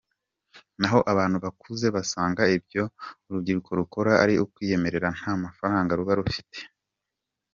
Naho abantu bakuze basanga ibyo urubyiruko rukora ari ukwiyemera nta n’amafaranga ruba rufite.